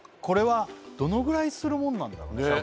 これはどのぐらいするもんなんだろうね？